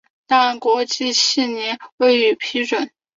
但国际汽联未予批准。